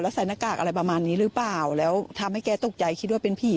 ใส่หน้ากากอะไรประมาณนี้หรือเปล่าแล้วทำให้แกตกใจคิดว่าเป็นผี